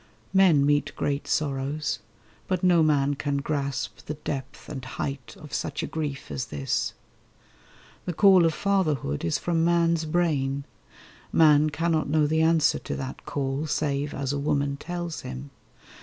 Men meet great sorrows; but no man can grasp The depth, and height, of such a grief as this. The call of Fatherhood is from man's brain. Man cannot know the answer to that call Save as a woman tells him.